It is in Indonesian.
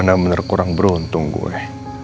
menang bener kurang beruntung gue